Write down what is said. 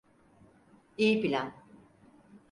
İyi plan.